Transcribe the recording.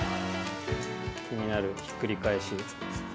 気になるひっくり返し。